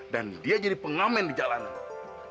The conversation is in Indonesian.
dia jadi pengamen di jalanan